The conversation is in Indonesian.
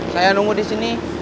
saya nunggu disini